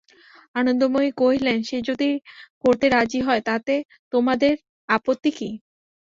আনন্দময়ী কহিলেন, সে যদি করতে রাজি হয় তাতে তোমাদের আপত্তি কী?